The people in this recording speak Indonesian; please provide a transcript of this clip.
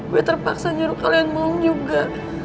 gue terpaksa nyuruh kalian mau juga